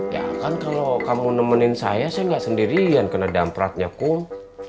ya kan kalo kamu nemenin saya saya nggak sendirian kena dampratnya kung